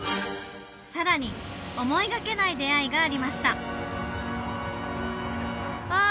さらに思いがけない出会いがありましたうわ